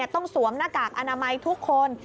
สวมหน้ากากอนามัยทุกคน